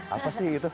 apa sih itu